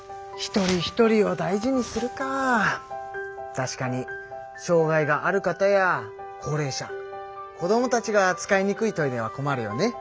確かに障害がある方や高れい者こどもたちが使いにくいトイレは困るよね。